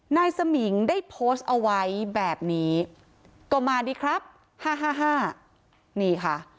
นายสมิงได้โพสต์เอาไว้แบบนี้ก็มาดีครับ๕๕นี่ค่ะ